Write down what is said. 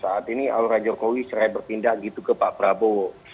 saat ini aura jokowi serai berpindah gitu ke pak prabowo